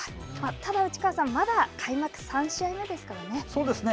ただ内川さん、まだ開幕３試合ですね。